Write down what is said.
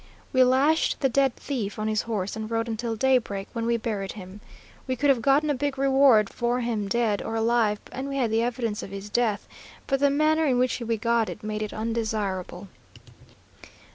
"We lashed the dead thief on his horse and rode until daybreak, when we buried him. We could have gotten a big reward for him dead or alive, and we had the evidence of his death, but the manner in which we got it made it undesirable.